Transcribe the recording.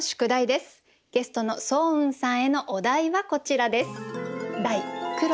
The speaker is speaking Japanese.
ゲストの双雲さんへのお題はこちらです。